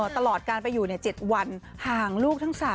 ตลอดการไปอยู่๗วันห่างลูกทั้ง๓